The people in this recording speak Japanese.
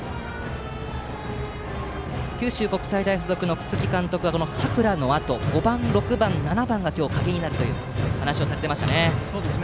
九州国際大付属の楠城監督は佐倉のあと５番、６番、７番が今日の鍵になるという話をされていましたね。